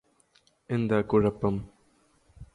എന്താ കുഴപ്പം